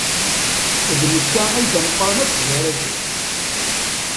D netta ay d ameqran akk gar-asen.